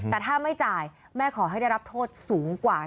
แต่ถ้าไม่จ่ายแม่ขอให้ได้รับโทษสูงกว่า